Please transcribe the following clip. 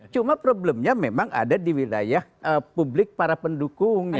cuma problemnya memang ada di wilayah publik para pendukung